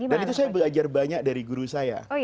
dan itu saya belajar banyak dari guru saya